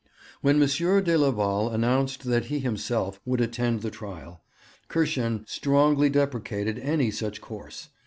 When M. de Leval announced that he himself would attend the trial, Kirschen strongly deprecated any such course.